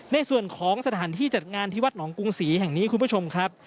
ในส่วนของสถานที่จัดงานที่วัดหนองกรุงศรีแห่งนี้คุณผู้ชมครับ